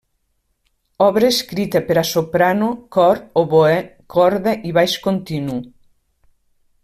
Obra escrita per a soprano, cor, oboè, corda i baix continu.